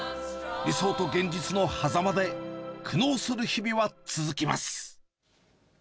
理想と現実のはざまで、苦悩する日々は続きます。